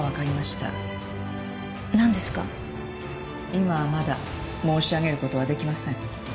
今はまだ申し上げる事はできません。